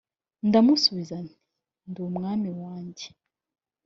ndamusubiza nti ndi umwami wanjye